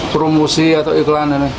promosi atau iklan